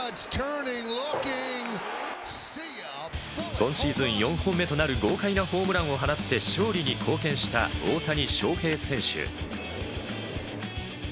今シーズン４本目となる豪快なホームランを放って勝利に貢献した大谷翔平選手。